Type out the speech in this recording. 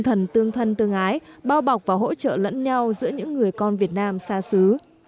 thần tương thân tương ái bao bọc và hỗ trợ lẫn nhau giữa những người con việt nam xa xứ